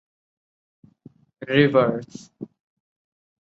Rivers.